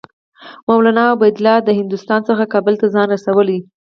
مولنا عبیدالله له هندوستان څخه کابل ته ځان رسولی.